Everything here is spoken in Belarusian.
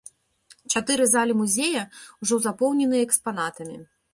Чатыры залі музея ўжо запоўненыя экспанатамі.